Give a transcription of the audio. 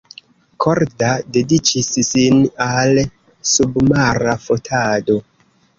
Korda dediĉis sin al submara fotado.